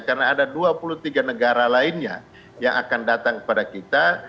karena ada dua puluh tiga negara lainnya yang akan datang kepada kita